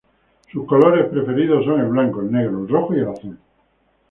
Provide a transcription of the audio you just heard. Sus colores preferidos son el blanco, el negro, el rojo y el azul.